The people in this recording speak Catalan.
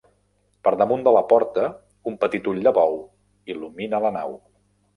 Per damunt de la porta un petit ull de bou il·lumina la nau.